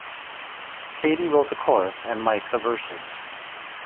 Katie wrote the chorus and Mike the verses.